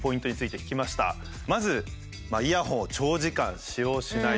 まず「イヤホンを長時間使用しない」と。